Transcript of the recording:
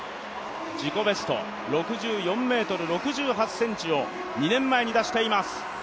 自己ベスト、６４ｍ６８ｃｍを２年前に出しています。